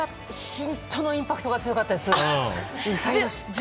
ヒントのインパクトが強かったですね。